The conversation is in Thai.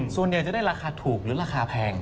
ส่วนใหญ่จะได้ราคาถูกหรือราคาแพง